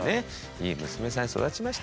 いい娘さんに育ちましたよ。